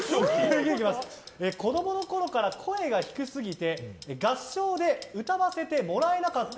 次、子供のころから声が低すぎて合唱で歌わせてもらえなかった。